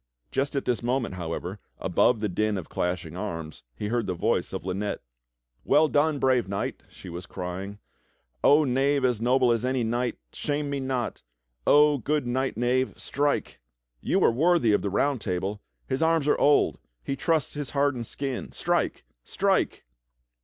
Just at this moment, however, above the din of clashing arms, he heard the voice of Lynette. " Well done, brave knight! " she w'as crying. " Oh knave as noble as any knight, shame me not! Oh good knight knave, strike! You are worthy of the Round Table! His arms are old; he trusts his hardened skin. Strike! Strike!"